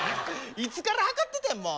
いつから測ってたんやもう。